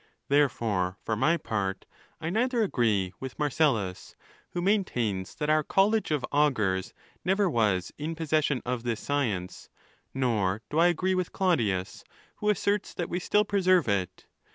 'Therefore, for my part, [ neither agree with Marcellus, who maintains that our college of augurs never was in possession of this science ; nor do I agree with Claudius, who asserts that we still preserve it.